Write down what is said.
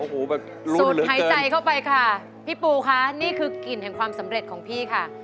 สุดหายใจเข้าไปค่ะพี่ปูคะนี่คือกลิ่นแห่งความสำเร็จของพี่ค่ะ